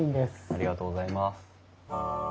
ありがとうございます。